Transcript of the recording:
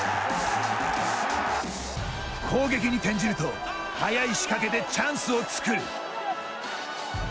攻撃に転じると早い仕掛けでチャンスを作る。